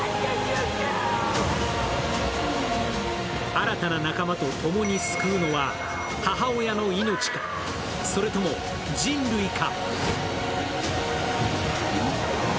新たな仲間とともに救うのは母親の命かそれとも人類か？